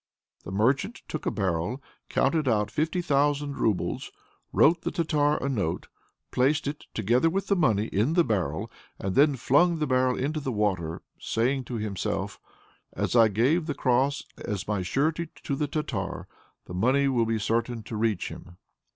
The merchant took a barrel, counted out fifty thousand roubles, wrote the Tartar a note, placed it, together with the money, in the barrel, and then flung the barrel into the water, saying to himself: "As I gave the cross as my surety to the Tartar, the money will be certain to reach him."